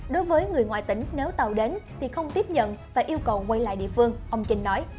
đối với người ngoài tỉnh nếu tàu đến thì không tiếp nhận và yêu cầu quay lại địa phương ông trình nói